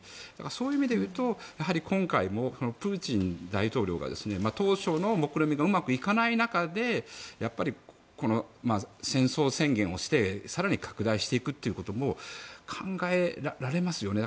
そういう意味で言うと今回も、プーチン大統領が当初のもくろみがうまくいかない中でやっぱり戦争宣言をして更に拡大していくことも考えられますよね。